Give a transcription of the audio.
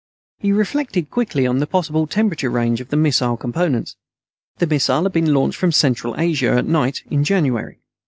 He reflected quickly on the possible temperature range of the missile components. The missile had been launched from Central Asia, at night, in January.